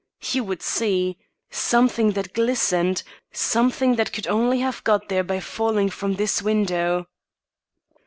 He would see. Something that glistened, something that could only have got there by falling from this window.